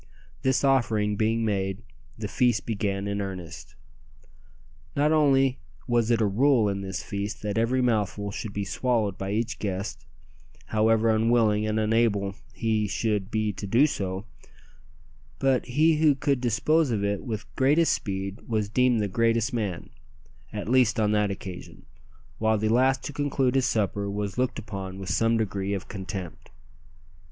This offering being made, the feast began in earnest. Not only was it a rule in this feast that every mouthful should be swallowed by each guest, however unwilling and unable he should be to do so, but he who could dispose of it with greatest speed was deemed the greatest man at least on that occasion while the last to conclude his supper was looked upon with some degree of contempt!